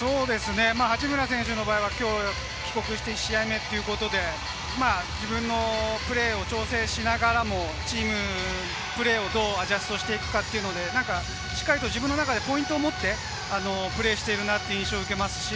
八村選手は今日、帰国して１試合目ということで、自分のプレーを調整しながらもチームとプレーをどうアジャストしていくかというところで自分の中でポイントを持ってプレーしている印象を持ちます。